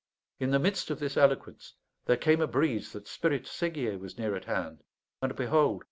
In the midst of this eloquence there came a breeze that Spirit Séguier was near at hand; and behold!